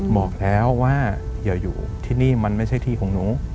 บอกแล้วว่าอย่าอยู่ที่นี่มันไม่ใช่ที่ของหนู